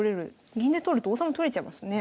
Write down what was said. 銀で取ると王様取れちゃいますね。